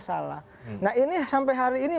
salah nah ini sampai hari ini